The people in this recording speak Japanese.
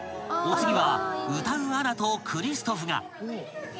［お次は歌うアナとクリストフが］